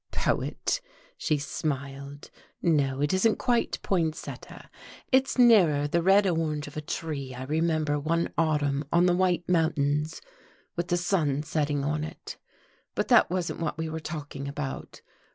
"Poet!" she smiled. "No, it isn't quite poinsetta. It's nearer the red orange of a tree I remember one autumn, in the White Mountains, with the setting sun on it. But that wasn't what we were talking about.